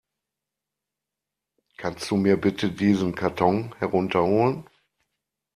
Kannst du mir bitte diesen Karton herunter holen?